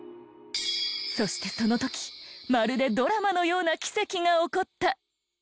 そしてその時まるでドラマのような奇跡が起こった！